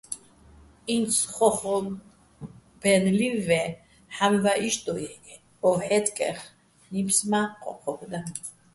ინც ხო́ხობ-აჲნო̆ ლი́ვ ვაჲ, ჰ̦ა́მივაჸ იშტ დო ო ჰ̦აჲწკეხ, ნიფს მა́ ჴო́ჴობ და.